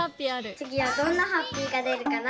つぎはどんなハッピーがでるかな？